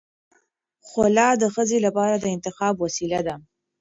خلع د ښځې لپاره د انتخاب وسیله ده.